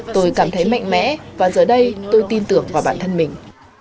tôi cảm thấy mạnh mẽ và giờ đây tôi tin tưởng vào bản thân mình